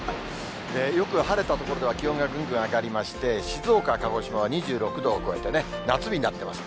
よく晴れた所では、気温がぐんぐん上がりまして、静岡、鹿児島は２６度を超えてね、夏日になってます。